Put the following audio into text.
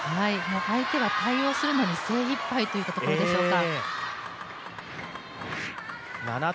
相手は対応するのに精いっぱいというところでしょうか。